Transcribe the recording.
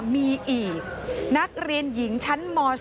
มีอีกนักเรียนหญิงชั้นม๒